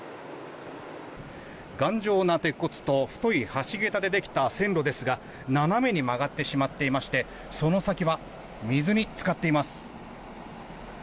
頑丈な鉄骨と太い橋桁でできた線路ですが斜めに曲がってしまっていましてその先は水につかっています。